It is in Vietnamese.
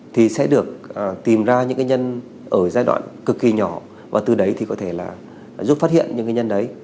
thì sẽ được tìm ra những nhân ở giai đoạn cực kỳ nhỏ và từ đấy thì có thể giúp phát hiện những nhân đấy